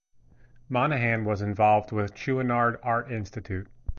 Monahan was involved with Chouinard Art Institute.